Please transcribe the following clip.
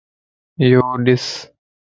يوڏس